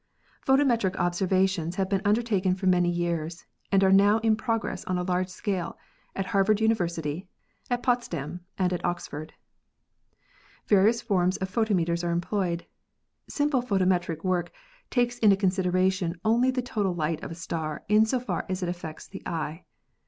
Photometric observations have been undertaken for many years and are now in progress on a large scale at Harvard University, at Potsdam and at Oxford. Various forms of photometers are employed. Simple photo metric work takes into consideration only the total light of a star in so far as it affects the eye.